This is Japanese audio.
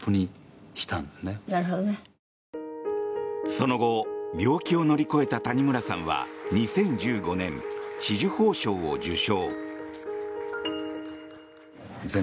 その後病気を乗り越えた谷村さんは２０１５年、紫綬褒章を受章。